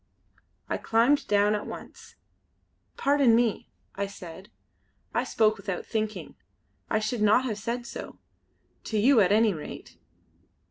I climbed down at once. "Pardon me!" I said "I spoke without thinking. I should not have said so to you at any rate."